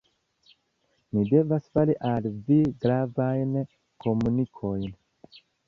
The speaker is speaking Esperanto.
Mi devas fari al vi gravajn komunikojn.